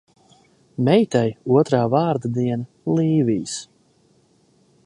Meitai otrā vārda diena – Līvijas.